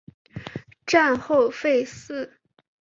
战后废寺。